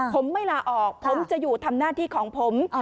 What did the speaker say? ผมไม่ลาออกผมจะอยู่ทำหน้าที่ของผม